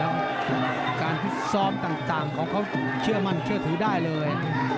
แล้วการพริกซอมต่างเขาเชื่อมั่นเชื่อถุเลย